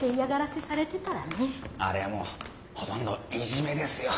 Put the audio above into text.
あれはもうほとんどイジメですよ。